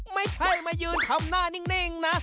ไม่ใช่มายืนทำหน้านิ่งนะ